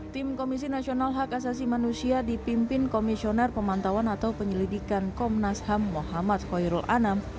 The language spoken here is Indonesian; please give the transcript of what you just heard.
tim komisi nasional hak asasi manusia dipimpin komisioner pemantauan atau penyelidikan komnas ham muhammad khoirul anam